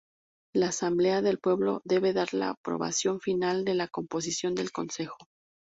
La Asamblea del Pueblo debe dar la aprobación final de la composición del Consejo.